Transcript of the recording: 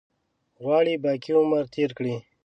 غواړي باقي عمر تېر کړي.